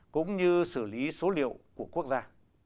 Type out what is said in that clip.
cũng như xử lý số liệu của quốc gia